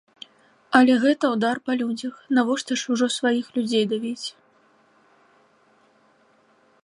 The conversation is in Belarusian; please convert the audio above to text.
Але гэта ўдар па людзях, навошта ж ужо сваіх людзей давіць?